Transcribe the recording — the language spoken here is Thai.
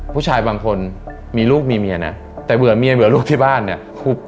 ผู้ชายบางคนมีลูกมีเมียนะแต่เบื่อเมียเบื่อลูกที่บ้านเนี่ย